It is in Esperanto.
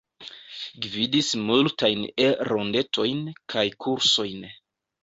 Gvidis multajn E-rondetojn kaj kursojn.